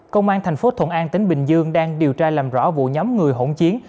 công an thành phố thuận an tỉnh bình dương đang điều tra làm rõ vụ nhóm người hỗn chiến